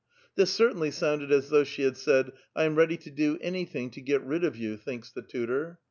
*• Tlii> • cvrtainly ' sounded as though she had said, ' I am readv to do anvlhinjr to srel rid of vou,' " thinks the tutor.